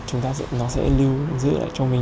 chúng ta nó sẽ lưu giữ lại cho mình